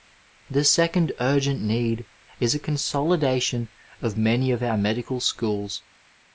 The second urgent need is a consolidation of many of our medical schools.